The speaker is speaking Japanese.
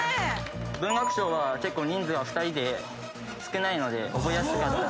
文学賞は人数が２人で少ないので覚えやすかった。